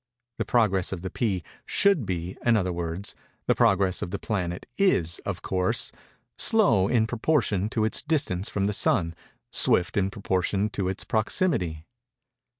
The progress of the pea should be—in other words, the progress of the planet is, of course,—slow in proportion to its distance from the Sun—swift in proportion to its proximity.